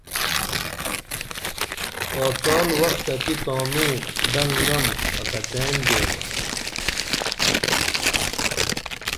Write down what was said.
آڅال وختہ کی تانون ڈنگنم اکٹین گیمہ